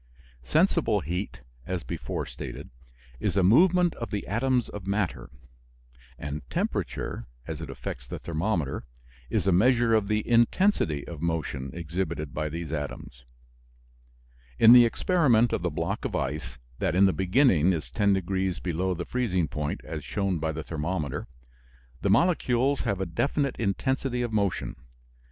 Sensible heat, as before stated, is a movement of the atoms of matter, and temperature, as it affects the thermometer, is a measure of the intensity of motion exhibited by these atoms. In the experiment of the block of ice that in the beginning is 10 degrees below the freezing point, as shown by the thermometer, the molecules have a definite intensity of motion.